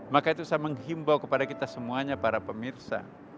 maka itu saya menghimbau kepada kita semuanya para pemirsa